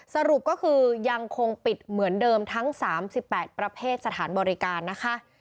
สรุปก็คือยังคงปิดเหมือนเดิมทั้ง๓๘ประเภทสถานบริการนะคะ